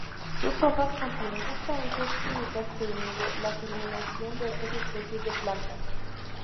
Sus hojas contienen sustancias químicas que inhibe la germinación de otras especies de plantas.